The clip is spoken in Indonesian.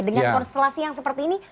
dengan konstelasi yang seperti ini